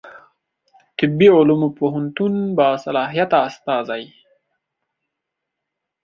طبي علومو پوهنتون باصلاحیته استازی